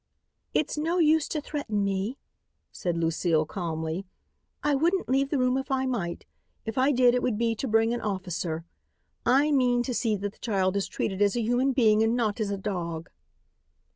"It's no use to threaten me," said Lucile calmly. "I wouldn't leave the room if I might. If I did it would be to bring an officer. I mean to see that the child is treated as a human being and not as a dog."